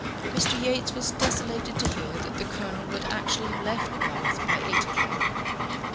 Mr. Yates was desolated to hear that the Colonel would actually have left Bath by eight o'clock.